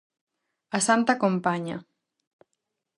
A santa compaña.